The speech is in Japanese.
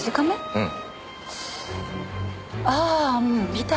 うん。